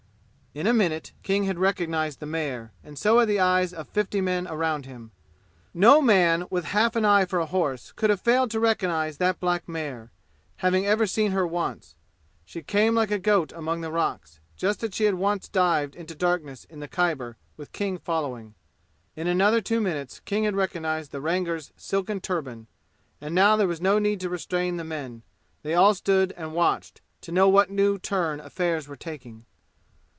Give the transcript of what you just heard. In a minute King had recognized the mare, and so had the eyes of fifty men around him. No man with half an eye for a horse could have failed to recognize that black mare, having ever seen her once. She came like a goat among the rocks, just as she had once dived into darkness in the Khyber with King following. In another two minutes King had recognized the Rangar's silken turban. And now there was no need to restrain the men; they all stood and watched, to know what new turn affairs were taking.